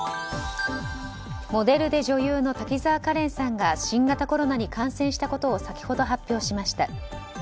モデルで女優の滝沢カレンさんが新型コロナに感染したことを先ほど発表しました。